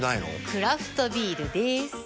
クラフトビールでーす。